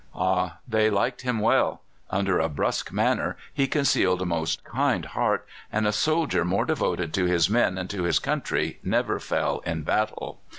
"Ah! they liked him well. Under a brusque manner he concealed a most kind heart, and a soldier more devoted to his men and to his country never fell in battle.